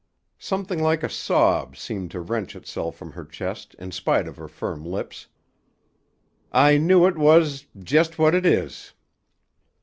Something like a sob seemed to wrench itself from her chest in spite of her firm lips. "I knew it was—just what it is."